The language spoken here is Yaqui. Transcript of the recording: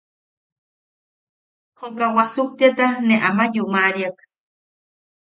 Juka wasuktiata ne ama yumaʼariak.